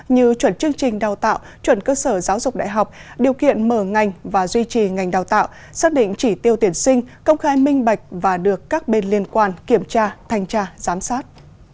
như chuẩn chương trình đào tạo chuẩn cơ sở giáo dục đại học điều kiện mở ngành và duy trì ngành đào tạo xác định chỉ tiêu tuyển sinh công khai minh bạch và được các bên liên quan kiểm tra thanh tra giám sát